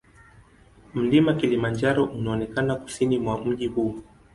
Mlima Kilimanjaro unaonekana kusini mwa mji huu.